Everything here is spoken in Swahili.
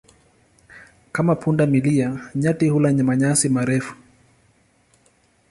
Kama punda milia, nyati hula manyasi marefu.